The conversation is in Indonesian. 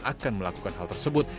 akan melakukan hal tersebut